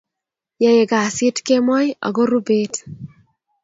yaeii kasit kemoi akoruu bet